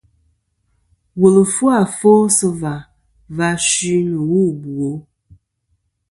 Wùl fu afo sɨ̀ và va suy nɨ̀ wu ɨ bwo.